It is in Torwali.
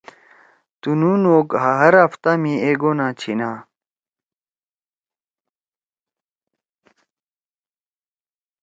تُنُو نوک ہر ہفتہ می ایک گونا چھیِنا۔